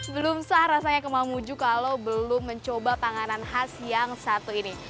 belum sah rasanya ke mamuju kalau belum mencoba panganan khas yang satu ini